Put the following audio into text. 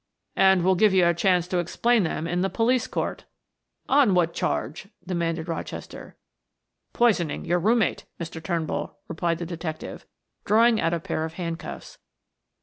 "And we'll give you a chance to explain them in the police court." "On what charge?" demanded Rochester. "Poisoning your room mate, Mr. Turnbull," replied the detective, drawing out a pair of handcuffs.